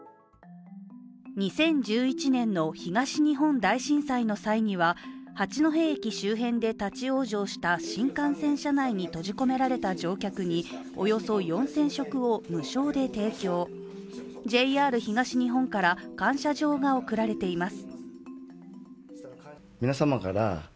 ２０１１年の東日本大震災の際には八戸駅周辺で立往生した新幹線車内に閉じ込められた乗客におよそ４０００食を無償で提供、ＪＲ東日本から感謝状が贈られています。